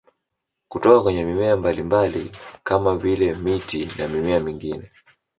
Kutoka kwenye mimea mbalimbali kama vile miti na mimea mingine